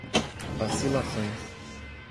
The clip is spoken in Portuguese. vacilações